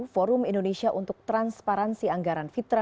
forum indonesia untuk transparansi anggaran fitra